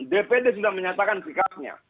dpr sudah menyatakan sikapnya